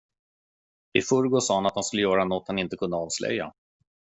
I förrgår sa han att han skulle göra nåt han inte kunde avslöja.